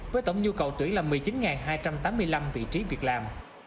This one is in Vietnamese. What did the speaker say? với tổng nhu cầu tuyển là một mươi chín hai trăm tám mươi năm vị trí việc làm